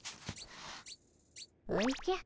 おじゃ。